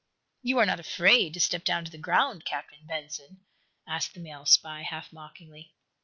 "You are not afraid to step down to the ground, Captain Benson?" asked the male spy, half mockingly.